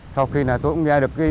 sau khi tôi cũng nghe được